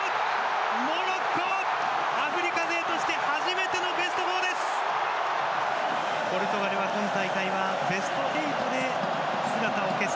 モロッコ、アフリカ勢として初めてのベスト４です。